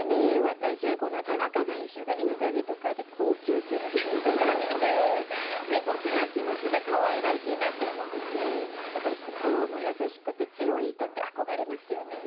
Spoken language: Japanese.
私はこの田中選手がインタビューとかで号泣するシーンとか見てすごく泣き虫でかわいらしいなって思っててやっぱり心も優しくて強い人って憧れますよね。